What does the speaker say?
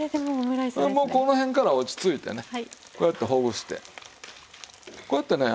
もうこの辺からは落ち着いてねこうやってほぐして。